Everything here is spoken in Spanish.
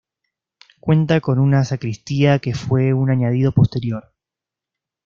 Cuenta con una sacristía que fue un añadido posterior.